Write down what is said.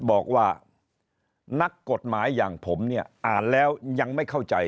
บอกว่านักกฎหมายอย่างผมเนี่ยอ่านแล้วยังไม่เข้าใจ